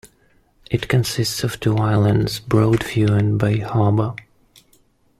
It consists of two islands: Broadview and Bay Harbor.